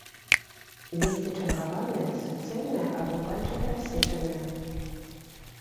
Лісце чаргаванае, суцэльнае або пальчата-рассечанае.